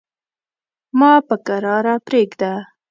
ما په کراره پرېږده.